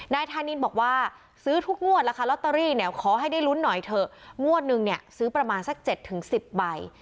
นายธานินบอกว่าซื้อทุกงวดแล้วค่ะลอตเตอรี่เนี่ยขอให้ได้ลุ้นหน่อยเถอะงวดนึงเนี่ยซื้อประมาณสัก๗๑๐ใบ